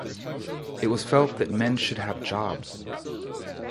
It was felt that men should have the jobs.